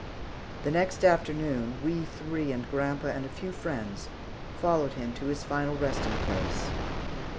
The next afternoon, we three and grandpa and a few friends followed him to his final resting place.